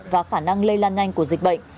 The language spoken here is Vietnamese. và khả năng lây lan nhanh của dịch bệnh